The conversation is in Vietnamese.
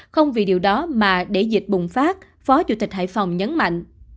không vì điều đó mà để dịch bùng phát phó chủ tịch hải phòng nhấn mạnh